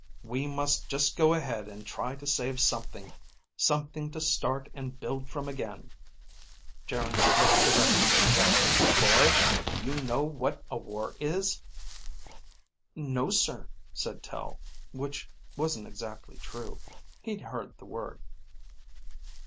We must just go ahead and try to save something, something to start and build from again." Geryn looked directly at Tel. "Boy, do you know what a war is?" "No, sir," said Tel, which wasn't exactly true. He'd heard the word.